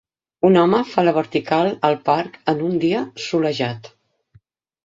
Un home fa la vertical al parc en un dia solejat.